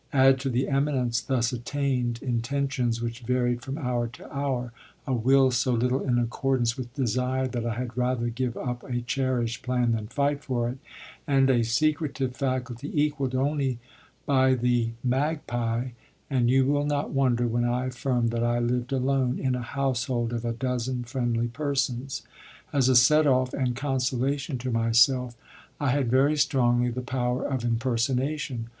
Add to the eminence thus attained intentions which varied from hour to hour, a will so little in accordance with desire that I had rather give up a cherished plan than fight for it, and a secretive faculty equalled only by the magpie, and you will not wonder when I affirm that I lived alone in a household of a dozen friendly persons. As a set off and consolation to myself I had very strongly the power of impersonation.